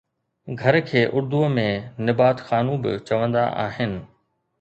گهر کي اردوءَ ۾ نبات خانو به چوندا آهن